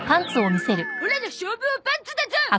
オラの勝負おパンツだゾ！